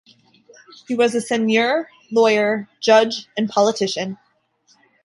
He was a seigneur, lawyer, judge and politician.